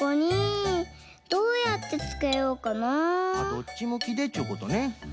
どっちむきでっちゅうことね。